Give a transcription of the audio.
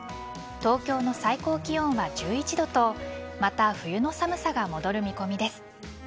東京の最高気温は１１度とまた冬の寒さが戻る見込みです。